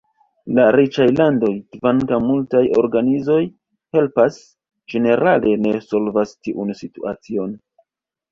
La riĉaj landoj, kvankam multaj organizoj helpas, ĝenerale ne solvas tiun situacion.